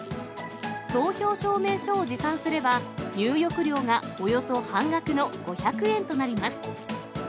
投票証明書を持参すれば、入浴料がおよそ半額の５００円となります。